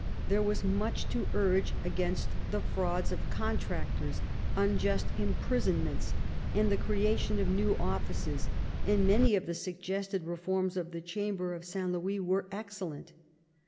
There was much to urge against the frauds of cdhtractors, unjust imprisonments, and the creation of new offices, and many of the suggested reforms of the Chamber of St. Louis were excellent.